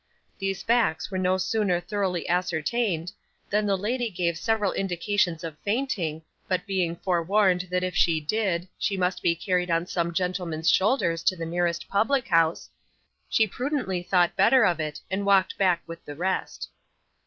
These facts were no sooner thoroughly ascertained, than the lady gave several indications of fainting, but being forewarned that if she did, she must be carried on some gentleman's shoulders to the nearest public house, she prudently thought better of it, and walked back with the rest.